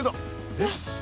よし！